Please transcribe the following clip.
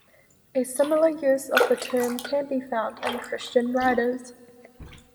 A similar use of the term can be found in Christian writers.